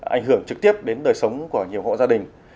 ảnh hưởng trực tiếp đến đời sống của nhiều hộ gia đình